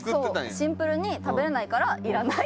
シンプルに食べれないから「いらない」って。